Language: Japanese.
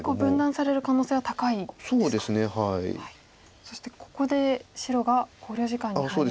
そしてここで白が考慮時間に入りました。